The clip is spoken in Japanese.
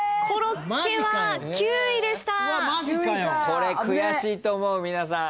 これ悔しいと思う皆さん。